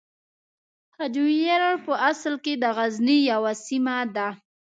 هجویر په اصل کې د غزني یوه سیمه ده.